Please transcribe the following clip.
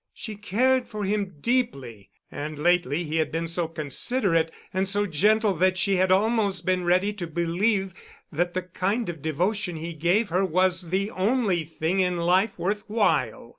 She cared for him deeply, and lately he had been so considerate and so gentle that she had almost been ready to believe that the kind of devotion he gave her was the only thing in life worth while.